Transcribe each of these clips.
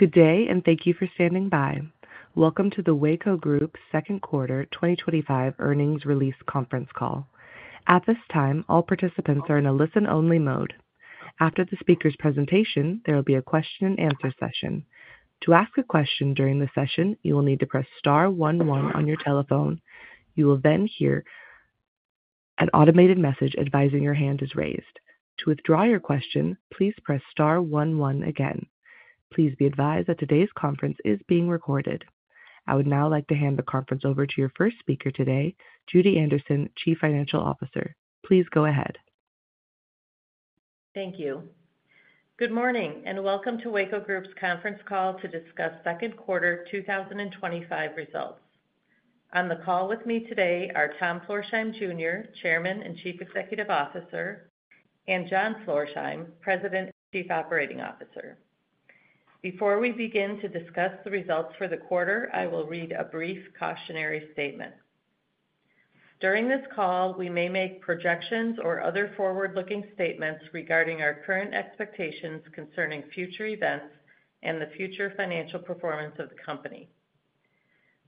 Good day, and thank you for standing by. Welcome to the Weyco Group's Second Quarter 2025 Earnings Release Conference Call. At this time, all participants are in a listen-only mode. After the speaker's presentation, there will be a question-and-answer session. To ask a question during the session, you will need to press star one, one on your telephone. You will then hear an automated message advising your hand is raised. To withdraw your question, please press star one, one again. Please be advised that today's conference is being recorded. I would now like to hand the conference over to your first speaker today, Judy Anderson, Chief Financial Officer. Please go ahead. Thank you. Good morning, and welcome to Weyco Group's Conference Call to Discuss Second Quarter 2025 Results. On the call with me today are Tom Florsheim, Jr., Chairman and Chief Executive Officer, and John Florsheim, President, Chief Operating Officer. Before we begin to discuss the results for the quarter, I will read a brief cautionary statement. During this call, we may make projections or other forward-looking statements regarding our current expectations concerning future events and the future financial performance of the company.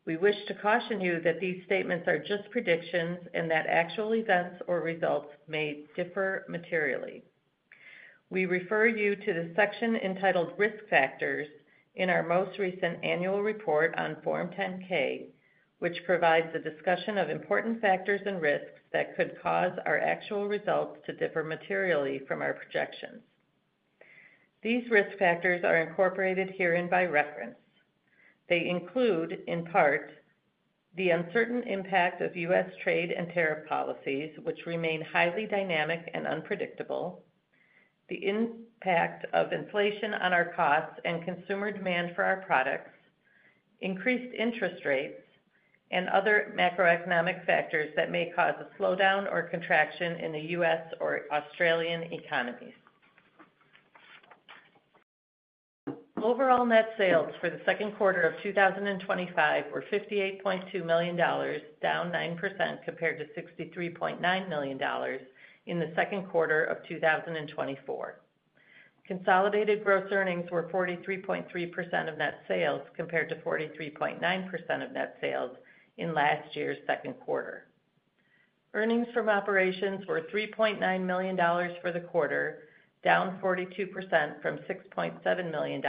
We wish to caution you that these statements are just predictions, and that actual events or results may differ materially. We refer you to the section entitled Risk Factors in our most recent annual report on Form 10-K, which provides a discussion of important factors and risks that could cause our actual results to differ materially from our projections. These risk factors are incorporated herein by reference. They include, in part, the uncertain impact of U.S. trade and tariff policies, which remain highly dynamic and unpredictable, the impact of inflation on our costs and consumer demand for our products, increased interest rates, and other macroeconomic factors that may cause a slowdown or contraction in the U.S. or Australian economy. Overall net sales for the second quarter of 2025 were $58.2 million, down 9% compared to $63.9 million in the second quarter of 2024. Consolidated gross margins were 43.3% of net sales compared to 43.9% of net sales in last year's second quarter. Earnings from operations were $3.9 million for the quarter, down 42% from $6.7 million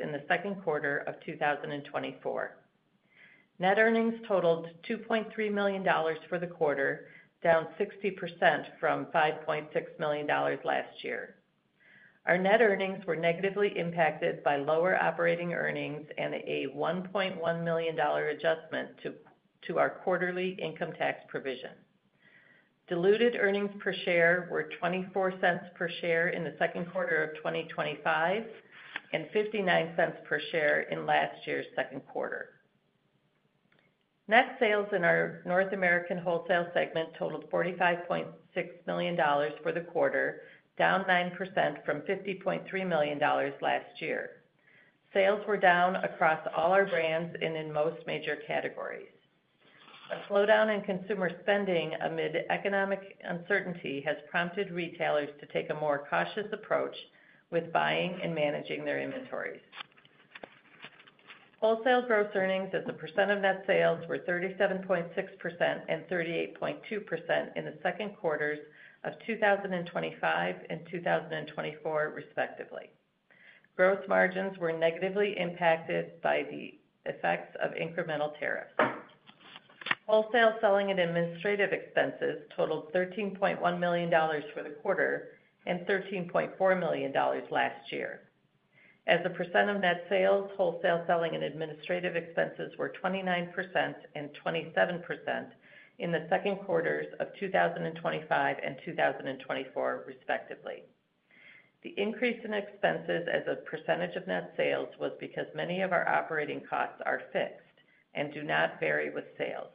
in the second quarter of 2024. Net earnings totaled $2.3 million for the quarter, down 60% from $5.6 million last year. Our net earnings were negatively impacted by lower operating earnings, and a $1.1 million adjustment to our quarterly income tax provision. Diluted earnings per share were $0.24 per share in the second quarter of 2025 and $0.59 per share in last year's second quarter. Net sales in our North American wholesale segment totaled $45.6 million for the quarter, down 9% from $50.3 million last year. Sales were down across all our brands and in most major categories. A slowdown in consumer spending amid economic uncertainty has prompted retailers to take a more cautious approach with buying and managing their inventories. Wholesale gross margins as a percent of net sales were 37.6% and 38.2% in the second quarters of 2025 and 2024, respectively. Gross margins were negatively impacted by the effects of incremental tariffs. Wholesale selling and administrative expenses totaled $13.1 million for the quarter and $13.4 million last year. As a percent of net sales, wholesale selling and administrative expenses were 29% and 27% in the second quarters of 2025 and 2024, respectively. The increase in expenses as a percentage of net sales was because many of our operating costs are fixed and do not vary with sales.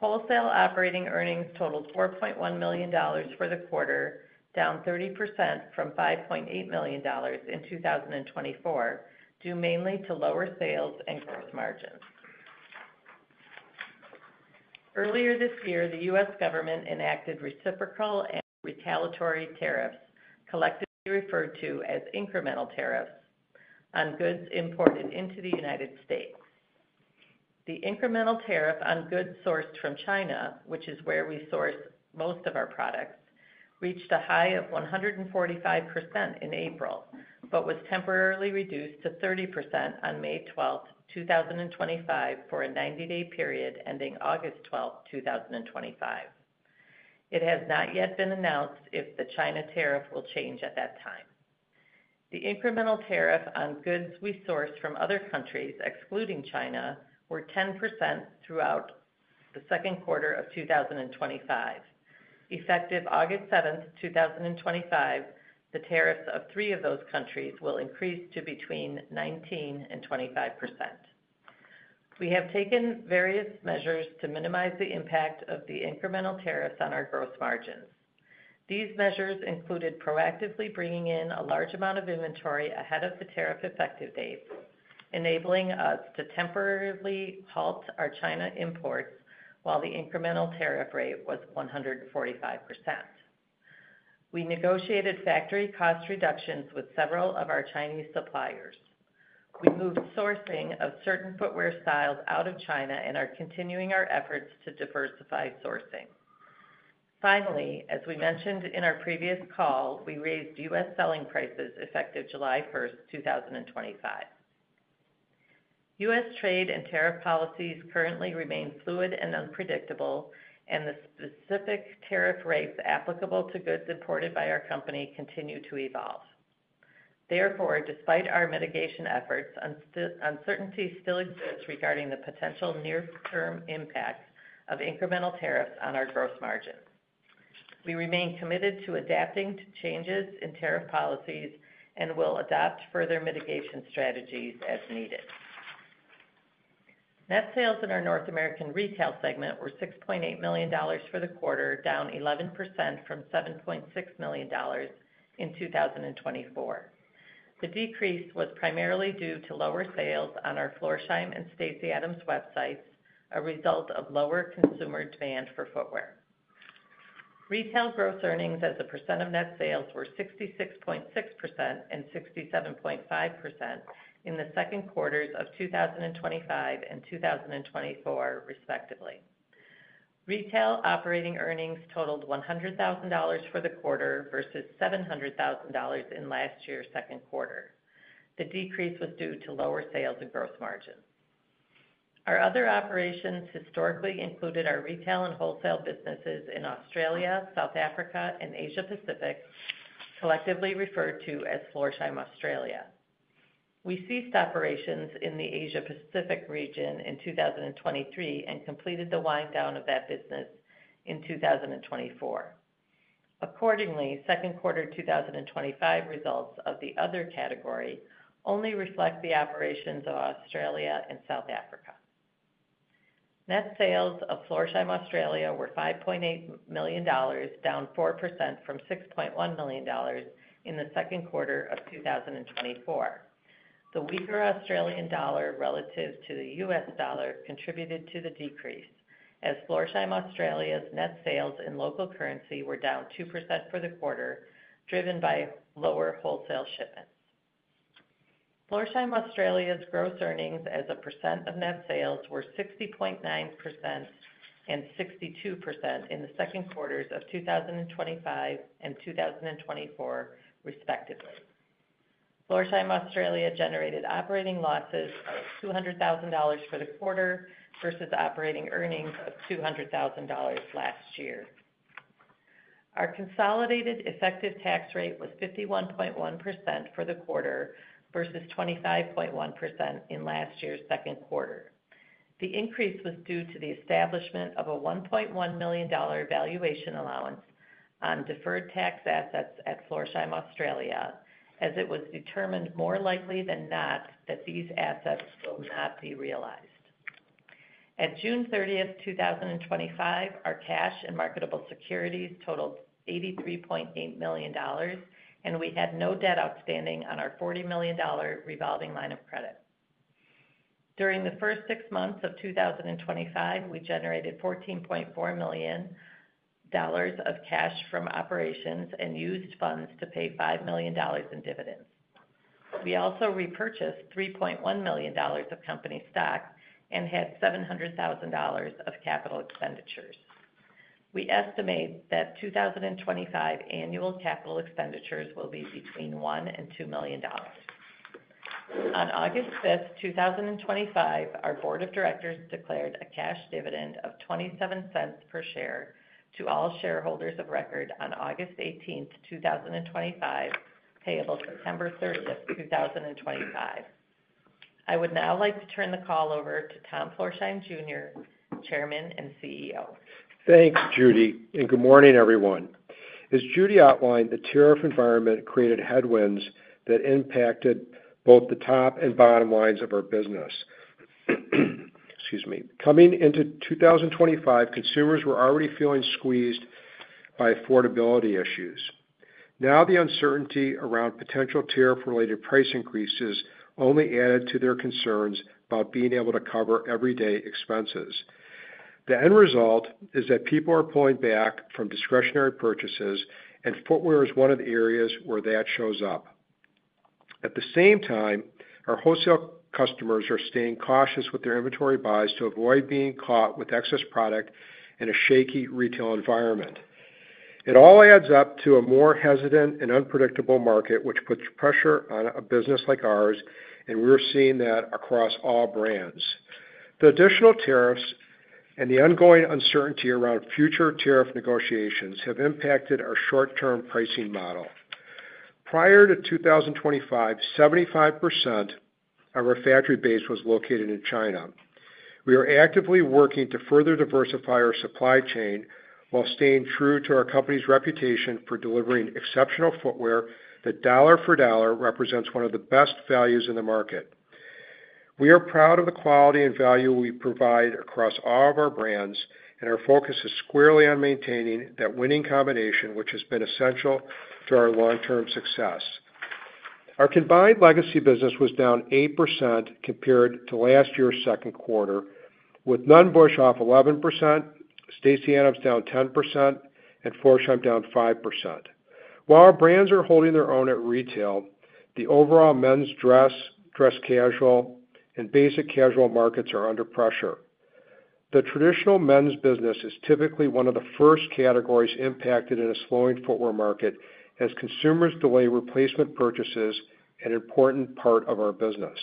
Wholesale operating earnings totaled $4.1 million for the quarter, down 30% from $5.8 million in 2024, due mainly to lower sales and gross margins. Earlier this year, the U.S. government enacted reciprocal and retaliatory tariffs, collectively referred to as incremental tariffs, on goods imported into the United States. The incremental tariff on goods sourced from China, which is where we source most of our products, reached a high of 145% in April, but was temporarily reduced to 30% on May 12, 2025, for a 90-day period ending August 12, 2025. It has not yet been announced if the China tariff will change at that time. The incremental tariff on goods we source from other countries, excluding China were 10% throughout the second quarter of 2025. Effective August 7, 2025, the tariffs of three of those countries will increase to between 19%-25%. We have taken various measures to minimize the impact of the incremental tariffs on our gross margins. These measures included proactively bringing in a large amount of inventory ahead of the tariff effective dates, enabling us to temporarily halt our China imports while the incremental tariff rate was 145%. We negotiated factory cost reductions with several of our Chinese suppliers. We moved sourcing of certain footwear styles out of China and are continuing our efforts to diversify sourcing. Finally, as we mentioned in our previous call, we raised U.S. selling prices effective July 1, 2025. U.S. trade and tariff policies currently remain fluid and unpredictable, and the specific tariff rates applicable to goods imported by our company continue to evolve. Therefore, despite our mitigation efforts, uncertainty still exists regarding the potential near-term impacts of incremental tariffs on our gross margins. We remain committed to adapting to changes in tariff policies and will adopt further mitigation strategies as needed. Net sales in our North American retail segment were $6.8 million for the quarter, down 11% from $7.6 million in 2024. The decrease was primarily due to lower sales on our Florsheim and Stacy Adams websites, a result of lower consumer demand for footwear. Retail gross earnings as a percent of net sales were 66.6% and 67.5% in the second quarters of 2025 and 2024, respectively. Retail operating earnings totaled $100,000 for the quarter versus $700,000 in last year's second quarter. The decrease was due to lower sales and gross margins. Our other operations historically included our retail and wholesale businesses in Australia, South Africa, and Asia-Pacific, collectively referred to as Florsheim Australia. We ceased operations in the Asia-Pacific region in 2023, and completed the wind-down of that business in 2024. Accordingly, second quarter 2025 results of the other category only reflect the operations of Australia and South Africa. Net sales of Florsheim Australia were $5.8 million, down 4% from $6.1 million in the second quarter of 2024. The weaker Australian dollar relative to the U.S. dollar contributed to the decrease, as Florsheim Australia's net sales in local currency were down 2% for the quarter, driven by lower wholesale shipments. Florsheim Australia's gross earnings as a percent of net sales were 60.9% and 62% in the second quarters of 2025 and 2024, respectively. Florsheim Australia generated operating losses of $200,000 for the quarter versus operating earnings of $200,000 last year. Our consolidated effective tax rate was 51.1% for the quarter versus 25.1% in last year's second quarter. The increase was due to the establishment of a $1.1 million valuation allowance on deferred tax assets at Florsheim Australia, as it was determined more likely than not that these assets would not be realized. At June 30th, 2025, our cash and marketable securities totaled $83.8 million, and we had no debt outstanding on our $40 million revolving line of credit. During the first six months of 2025, we generated $14.4 million of cash from operations and used funds to pay $5 million in dividends. We also repurchased $3.1 million of company stock and had $700,000 of capital expenditures. We estimate that 2025 annual capital expenditures will be between $1 million and $2 million. On August 5th, 2025, our board of directors declared a cash dividend of $0.27 per share to all shareholders of record on August 18th, 2025, payable September 30th, 2025. I would now like to turn the call over to Tom Florsheim, Jr., Chairman and CEO. Thanks, Judy, and good morning, everyone. As Judy outlined, the tariff environment created headwinds that impacted both the top and bottom lines of our business. Coming into 2025, consumers were already feeling squeezed by affordability issues. Now the uncertainty around potential tariff-related price increases only added to their concerns about being able to cover everyday expenses. The end result is that people are pulling back from discretionary purchases, and footwear is one of the areas where that shows up. At the same time, our wholesale customers are staying cautious with their inventory buys, to avoid being caught with excess product in a shaky retail environment. It all adds up to a more hesitant and unpredictable market, which puts pressure on a business like ours and we're seeing that across all brands. The additional tariffs and the ongoing uncertainty around future tariff negotiations have impacted our short-term pricing model. Prior to 2025, 75% of our factory base was located in China. We are actively working to further diversify our supply chain, while staying true to our company's reputation for delivering exceptional footwear that dollar for dollar represents one of the best values in the market. We are proud of the quality and value we provide across all of our brands, and our focus is squarely on maintaining that winning combination, which has been essential to our long-term success. Our combined legacy business was down 8% compared to last year's second quarter, with Nunn Bush off 11%, Stacy Adams down 10%, and Florsheim down 5%. While our brands are holding their own at retail, the overall men's dress, dress casual, and basic casual markets are under pressure. The traditional men's business is typically one of the first categories impacted in a slowing footwear market, as consumers delay replacement purchases, an important part of our business.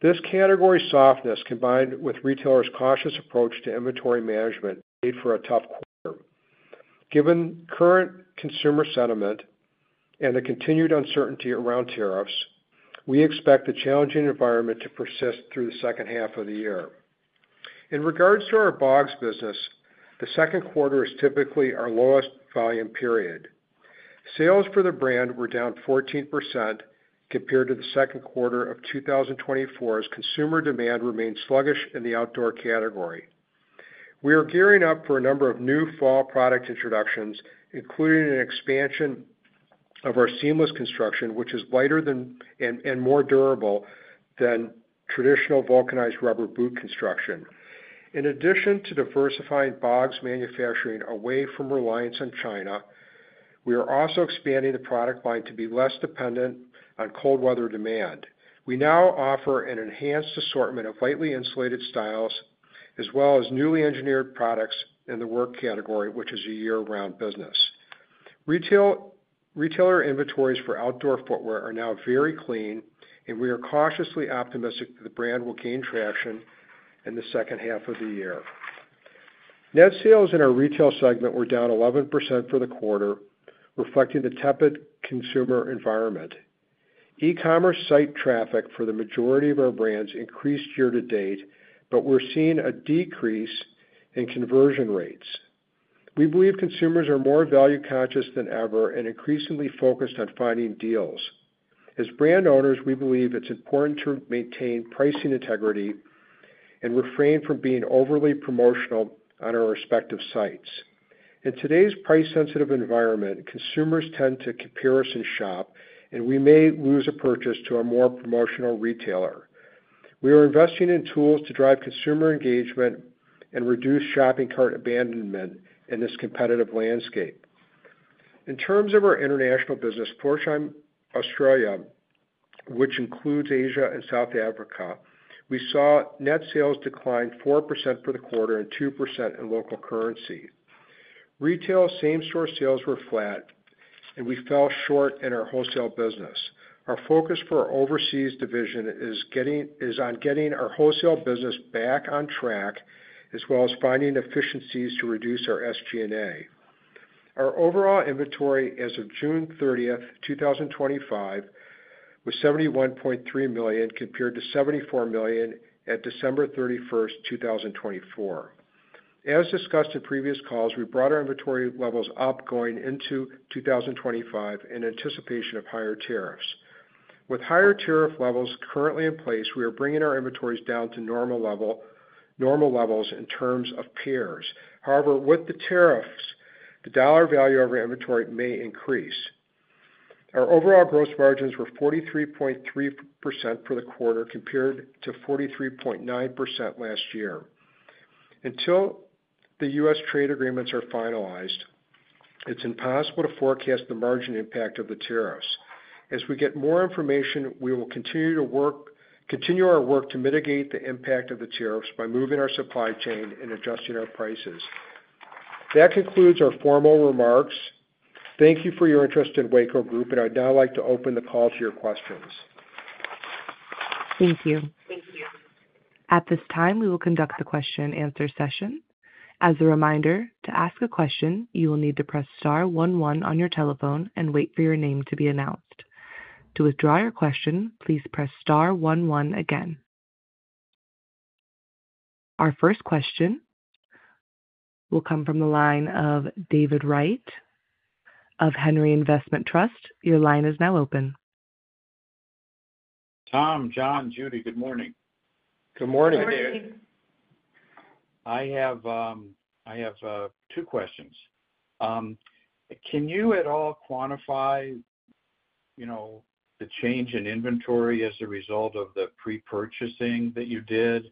This category's softness, combined with retailers' cautious approach to inventory management, made for a tough quarter. Given current consumer sentiment and the continued uncertainty around tariffs, we expect a challenging environment to persist through the second half of the year. In regards to our BOGS business, the second quarter is typically our lowest volume period. Sales for the brand were down 14% compared to the second quarter of 2024, as consumer demand remains sluggish in the outdoor category. We are gearing up for a number of new fall product introductions, including an expansion of our seamless construction, which is lighter and more durable than traditional vulcanized rubber boot construction. In addition to diversifying BOGS manufacturing away from reliance on China, we are also expanding the product line to be less dependent on cold weather demand. We now offer an enhanced assortment of lightly insulated styles, as well as newly engineered products in the work category, which is a year-round business. Retailer inventories for outdoor footwear are now very clean, and we are cautiously optimistic that the brand will gain traction in the second half of the year. Net sales in our retail segment were down 11% for the quarter, reflecting the tepid consumer environment. E-commerce site traffic for the majority of our brands increased year to date, but we're seeing a decrease in conversion rates. We believe consumers are more value-conscious than ever and increasingly focused on finding deals. As brand owners, we believe it's important to maintain pricing integrity, and refrain from being overly promotional on our respective sites. In today's price-sensitive environment, consumers tend to comparison shop and we may lose a purchase to a more promotional retailer. We are investing in tools to drive consumer engagement and reduce shopping cart abandonment in this competitive landscape. In terms of our international business, Florsheim Australia, which includes Asia and South Africa, we saw net sales decline 4% for the quarter and 2% in local currency. Retail same-store sales were flat, and we fell short in our wholesale business. Our focus for our overseas division is on getting our wholesale business back on track, as well as finding efficiencies to reduce our SG&A. Our overall inventory as of June 30th, 2025 was $71.3 million compared to $74 million at December 31st, 2024. As discussed in previous calls, we brought our inventory levels up going into 2025 in anticipation of higher tariffs. With higher tariff levels currently in place, we are bringing our inventories down to normal levels in terms of pairs. However, with the tariffs, the dollar value of our inventory may increase. Our overall gross margins were 43.3% for the quarter compared to 43.9% last year. Until the U.S. trade agreements are finalized, it's impossible to forecast the margin impact of the tariffs. As we get more information, we will continue our work to mitigate the impact of the tariffs by moving our supply chain and adjusting our prices. That concludes our formal remarks. Thank you for your interest in Weyco Group, and I'd now like to open the call to your questions. Thank you. At this time, we will conduct the question-and-answer session. As a reminder, to ask a question, you will need to press star one, one on your telephone and wait for your name to be announced. To withdraw your question, please press star one, one again. Our first question will come from the line of David Wright of Henry Investment Trust. Your line is now open. Tom, John, Judy, good morning. Good morning, David. Good morning, David. I have two questions. Can you at all quantify the change in inventory as a result of the pre-purchasing that you did?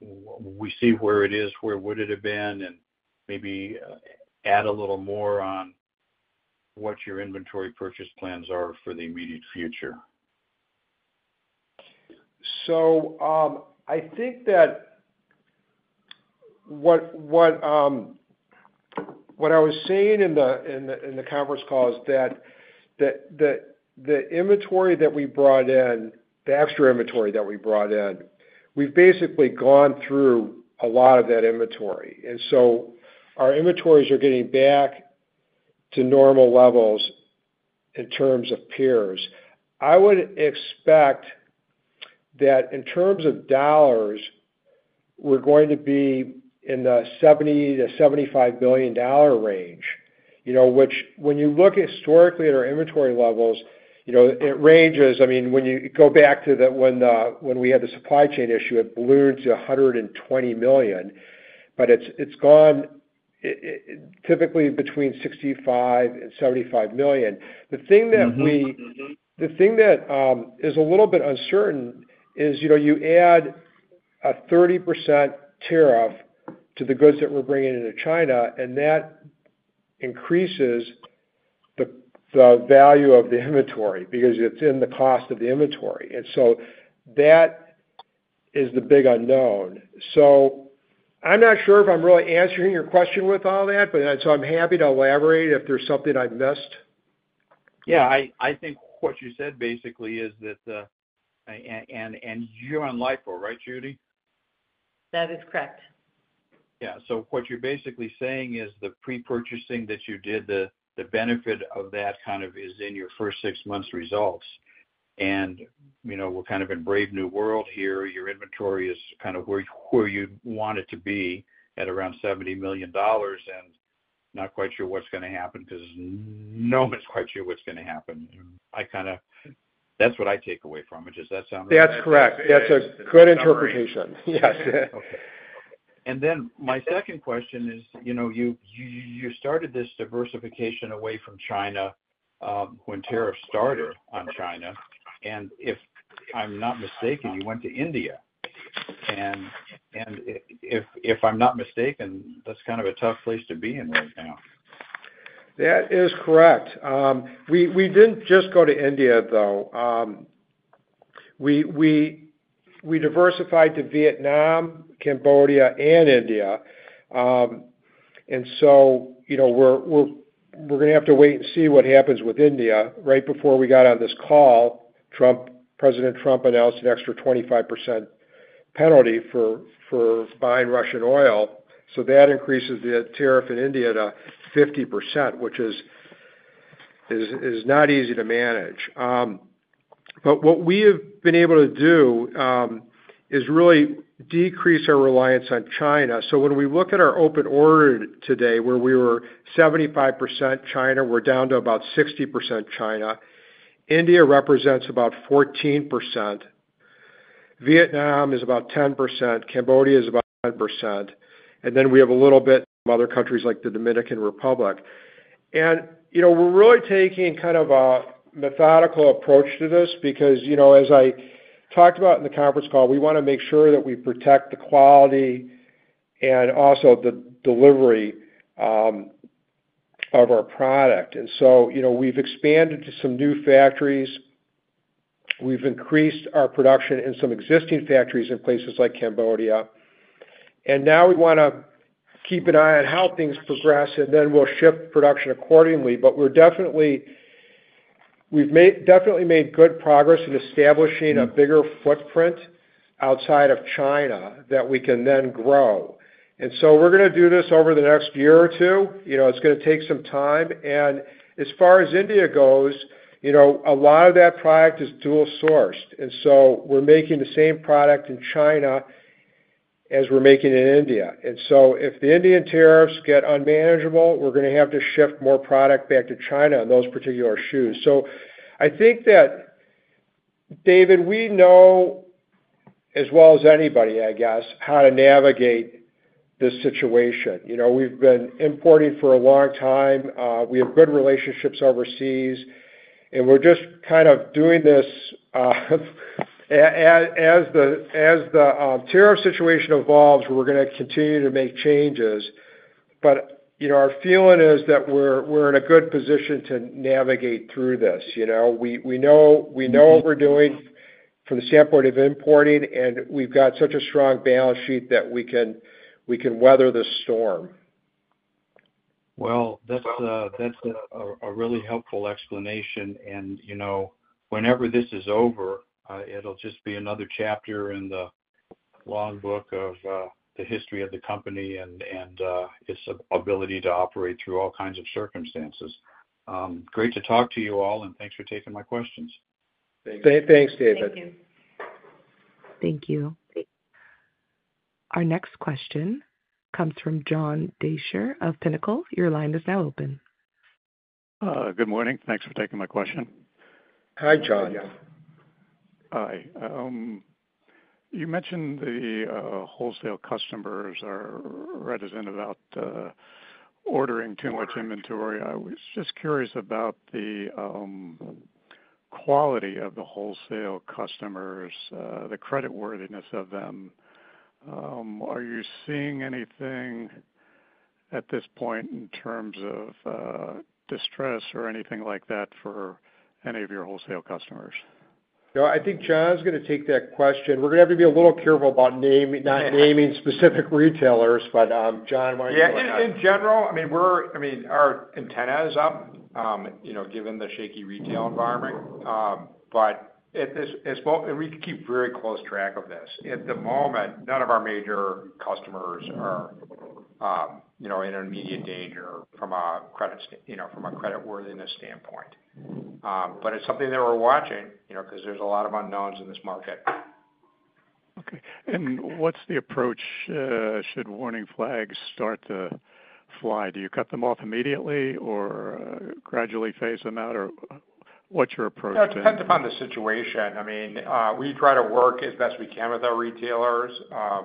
We see where it is, where would it have been, and maybe add a little more on what your inventory purchase plans are for the immediate future. I think that what I was saying in the conference call is that the extra inventory that we brought in, we've basically gone through a lot of that inventory. Our inventories are getting back to normal levels in terms of pairs. I would expect that in terms of dollars, we're going to be in the $70 billion-$75 billion range, which when you look historically at our inventory levels, it ranges. When you go back to when we had the supply chain issue, it ballooned to $120 million, but it's gone typically between $65 million-$75 million. The thing that is a little bit uncertain is you add a 30% tariff to the goods that we're bringing in from China, and that increases the value of the inventory because it's in the cost of the inventory. That is the big unknown. I'm not sure if I'm really answering your question with all that, but I'm happy to elaborate if there's something I missed. Yeah, and you're on LIFO. Right, Judy? That is correct. Yeah. What you're basically saying is the pre-purchasing that you did, the benefit of that is in your first six months' results. We're kind of in a brave new world here. Your inventory is kind of where you want it to be at around $70 million, and not quite sure what's going to happen because no one's quite sure what's going to happen. That's what I take away from it. Does that sound right? That's correct. That's a good interpretation. Yes. Okay. My second question is, you know, you started this diversification away from China when tariffs started on China. If I'm not mistaken, you went to India. If I'm not mistaken, that's kind of a tough place to be in right now. That is correct. We didn't just go to India, though. We diversified to Vietnam, Cambodia, and India. We're going to have to wait and see what happens with India. Right before we got on this call, President Trump announced an extra 25% penalty for buying Russian oil. That increases the tariff in India to 50%, which is not easy to manage. What we have been able to do is really decrease our reliance on China. When we look at our open order today, where we were 75% China, we're down to about 60% China. India represents about 14%. Vietnam is about 10%. Cambodia is about 10%. We have a little bit of other countries like the Dominican Republic. We're really taking kind of a methodical approach to this because, as I talked about in the conference call, we want to make sure that we protect the quality and also the delivery of our product. We've expanded to some new factories. We've increased our production in some existing factories in places like Cambodia. Now we want to keep an eye on how things progress, and then we'll shift production accordingly. We've definitely made good progress in establishing a bigger footprint outside of China that we can then grow. We're going to do this over the next year or two. It's going to take some time. As far as India goes, a lot of that product is dual-sourced. We're making the same product in China as we're making in India. If the Indian tariffs get unmanageable, we're going to have to shift more product back to China in those particular shoes. I think that, David, we know as well as anybody I guess, how to navigate this situation. We've been importing for a long time. We have good relationships overseas, and we're just kind of doing this. As the tariff situation evolves, we're going to continue to make changes. Our feeling is that we're in a good position to navigate through this. We know what we're doing from the standpoint of importing, and we've got such a strong balance sheet that we can weather this storm. That's a really helpful explanation. You know, whenever this is over, it'll just be another chapter in the long book of the history of the company and its ability to operate through all kinds of circumstances. Great to talk to you all, and thanks for taking my questions. Thanks, David. Thanks. Thank you. Thank you. Our next question comes from John Deysher of Pinnacle. Your line is now open. Good morning. Thanks for taking my question. Hi, John. Hi. You mentioned the wholesale customers are reticent about ordering too much inventory. I was just curious about the quality of the wholesale customers, the creditworthiness of them. Are you seeing anything at this point in terms of distress or anything like that for any of your wholesale customers? No, I think John's going to take that question. We're going to have to be a little careful about not naming specific retailers, but John, why don't you answer that? In general, we're, our antenna is up, you know, given the shaky retail environment. We keep very close track of this. At the moment, none of our major customers are, you know, in immediate danger from a creditworthiness standpoint. It's something that we're watching, you know, because there's a lot of unknowns in this market. Okay. What's the approach should warning flags start to fly? Do you cut them off immediately or gradually phase them out? What's your approach to it? It depends upon the situation. I mean, we try to work as best we can with our retailers,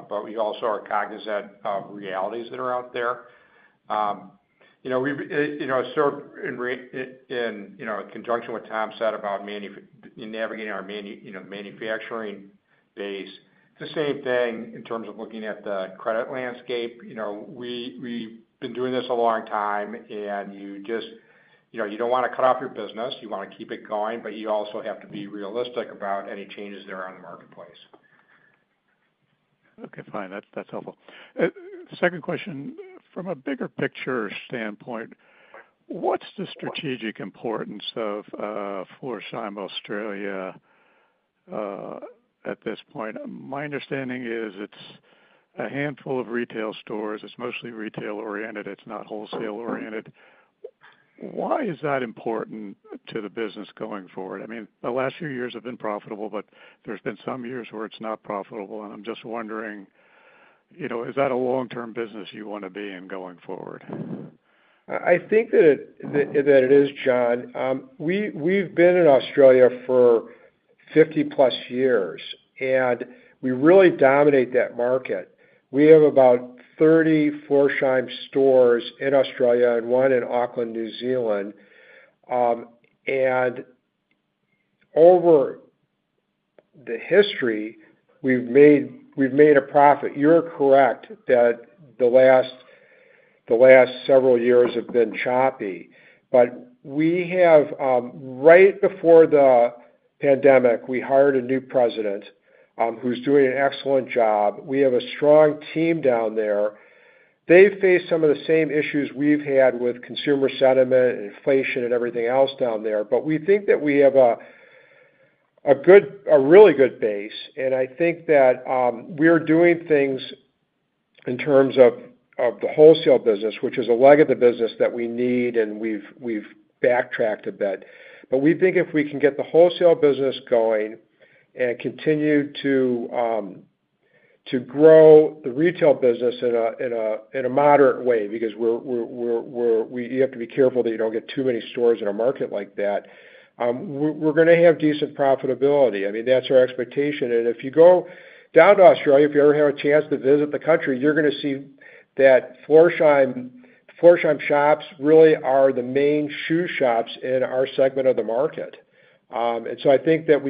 but we also are cognizant of realities that are out there. In conjunction with Tom said about navigating our manufacturing base, it's the same thing in terms of looking at the credit landscape. We've been doing this a long time, and you don't want to cut off your business. You want to keep it going, but you also have to be realistic about any changes that are on the marketplace. Okay, fine. That's helpful. The second question, from a bigger picture standpoint, what's the strategic importance of Florsheim Australia at this point? My understanding is it's a handful of retail stores. It's mostly retail-oriented. It's not wholesale-oriented. Why is that important to the business going forward? I mean, the last few years have been profitable, but there's been some years where it's not profitable. I'm just wondering, you know, is that a long-term business you want to be in going forward? It is, John. We've been in Australia for 50+ years, and we really dominate that market. We have about 30 Florsheim stores in Australia and one in Auckland, New Zealand. Over the history, we've made a profit. You're correct that the last several years have been choppy. Right before the pandemic, we hired a new president who's doing an excellent job. We have a strong team down there. They face some of the same issues we've had with consumer sentiment, inflation, and everything else down there. We think that we have a really good base. I think that we're doing things in terms of the wholesale business, which is a leg of the business that we need and we've backtracked a bit. We think if we can get the wholesale business going and continue to grow the retail business in a moderate way, because we have to be careful that you don't get too many stores in a market like that, we're going to have decent profitability. I mean, that's our expectation. If you go down to Australia, if you ever have a chance to visit the country, you're going to see that Florsheim shops really are the main shoe shops in our segment of the market. I think that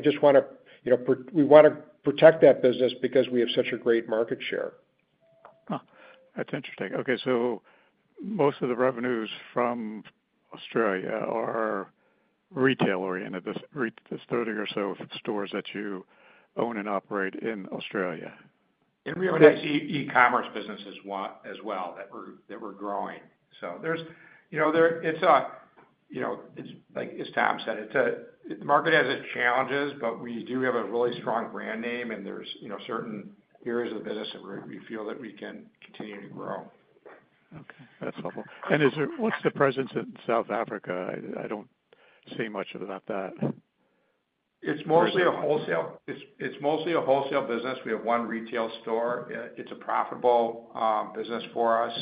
we want to protect that business because we have such a great market share. That's interesting, okay. Most of the revenues from Australia are retail-oriented, this 30 or so stores that you own and operate in Australia. e-commerce businesses as well that we're growing. As Tom said, the market has its challenges, but we do have a really strong brand name, and there are certain areas of the business that we feel that we can continue to grow. Okay. That's helpful. What's the presence in South Africa? I don't see much about that. It's mostly a wholesale business. We have one retail store. It's a profitable business for us.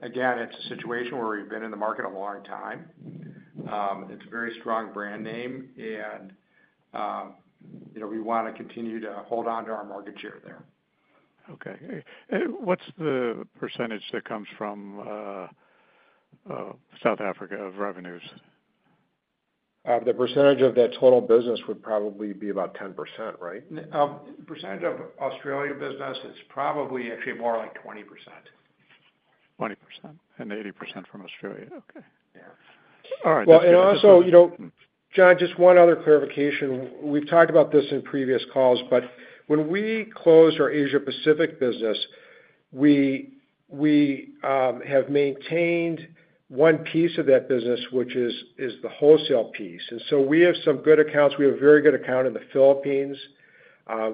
Again, it's a situation where we've been in the market a long time. It's a very strong brand name, and you know, we want to continue to hold on to our market share there. Okay. What's the percentage that comes from South Africa of revenues? The percentage of the total business would probably be about 10%, right? The percentage of Australia business is probably actually more like 20%. 20% and 80% from Australia. Okay, yeah. All right. You know, John, just one other clarification. We've talked about this in previous calls, but when we closed our Asia-Pacific business, we have maintained one piece of that business, which is the wholesale piece. We have some good accounts. We have a very good account in the Philippines.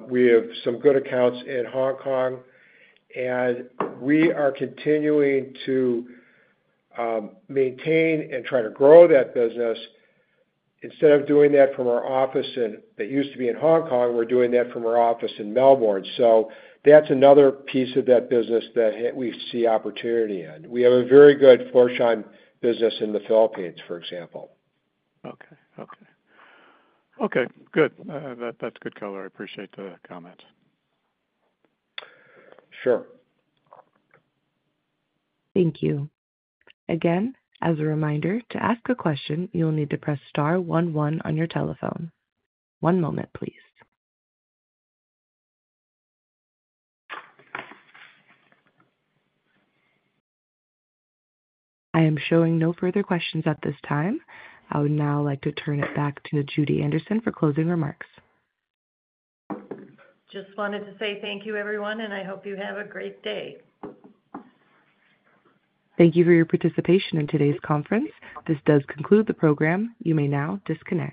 We have some good accounts in Hong Kong. We are continuing to maintain and try to grow that business. Instead of doing that from our office that used to be in Hong Kong, we're doing that from our office in Melbourne. That's another piece of that business that we see opportunity in. We have a very good Florsheim business in the Philippines, for example. Okay, good. That's a good color. I appreciate the comment. Sure. Thank you. Again, as a reminder, to ask a question, you'll need to press star one, one on your telephone. One moment, please. I am showing no further questions at this time. I would now like to turn it back to Judy Anderson for closing remarks. Just wanted to say thank you, everyone, and I hope you have a great day. Thank you for your participation in today's conference. This does conclude the program. You may now disconnect.